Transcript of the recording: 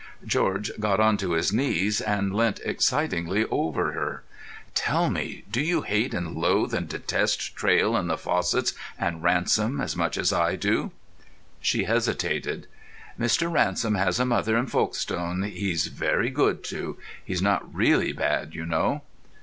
George got on to his knees and leant excitedly over her. "Tell me, do you hate and loathe and detest Traill and the Fossetts and Ransom as much as I do?" She hesitated. "Mr. Ransom has a mother in Folkestone he's very good to. He's not really bad, you know."